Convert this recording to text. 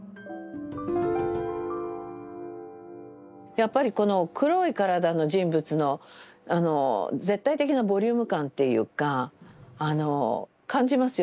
やっぱりこの黒い体の人物のあの絶対的なボリューム感っていうかあの感じますよね。